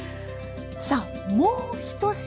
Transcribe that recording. さあもう１品。